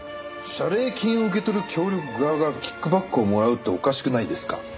謝礼金を受け取る協力側がキックバックをもらうっておかしくないですか？